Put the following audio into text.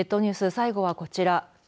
最後はこちら。